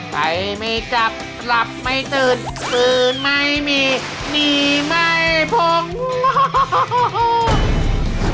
นี่ไหมพวกโอ้โฮ